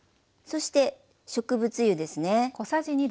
そして植物油ですね。